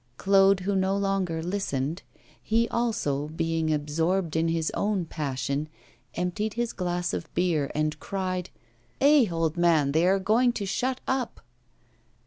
Claude, who no longer listened, he also being absorbed in his own passion, emptied his glass of beer and cried: 'Eh, old man, they are going to shut up.